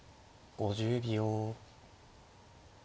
５０秒。